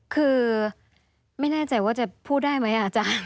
คือไม่แน่ใจว่าจะพูดได้ไหมอาจารย์